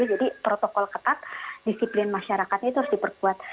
jadi protokol ketat disiplin masyarakatnya itu harus diperkuat